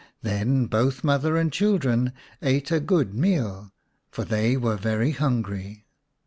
Then both mother and children ate a good meal, for they were very hungry.